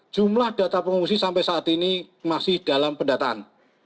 jumlah data pengungsi sampai saat ini masih dalam pendataan